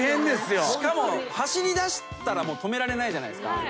しかも走りだしたら止められないじゃないですか。